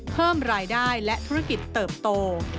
เพิ่มรายได้และธุรกิจเติบโต